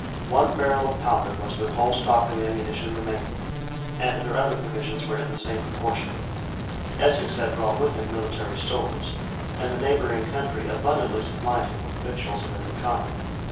One barrel of powder was their whole stock of ammunition remaining; and their other provisions were in the same proportion. Essex had brought with him military stores; and the neighboring country abundantly supplied him with victuals of every kind.